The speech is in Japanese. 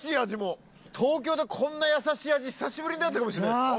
東京でこんな優しい味久しぶりに出会ったかもしれないです。